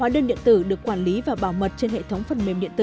hóa đơn điện tử được quản lý và bảo mật trên hệ thống phần mềm điện tử